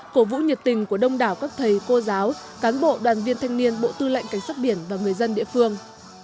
cổ vũ nhiệt tình của đông đảo các thầy cô giáo cán bộ đoàn viên thanh niên bộ tư lệnh cảnh sát biển và người dân địa phương